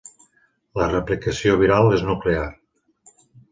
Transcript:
La replicació viral és nuclear.